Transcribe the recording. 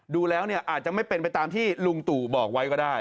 ดูแล้วเนี่ยอาจจะไม่เป็นไปตามที่ลุงตู่บอกไว้ก็ได้